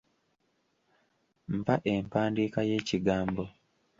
Mpa empandiika y'ekigambo.